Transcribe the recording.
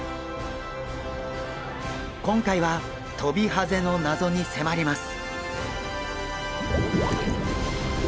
今回はトビハゼの謎に迫ります！